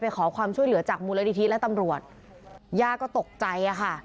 ขอความช่วยเหลือจากมูลนิธิและตำรวจย่าก็ตกใจอะค่ะ